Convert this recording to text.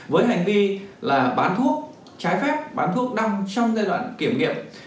với hành vi là bán thuốc trái phép bán thuốc đăng trong giai đoạn kiểm nghiệm